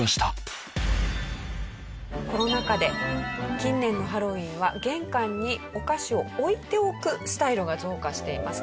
コロナ禍で近年のハロウィーンは玄関にお菓子を置いておくスタイルが増加しています。